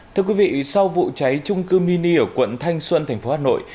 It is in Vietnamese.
thưa quý vị sau vụ cháy chung cư mini ở quận thanh xuân tp hà nội